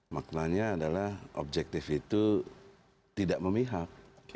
maknanya adalah objektif itu tidak memihak